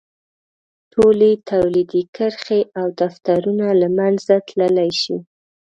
ټولې تولیدي کرښې او دفترونه له منځه تللی شي.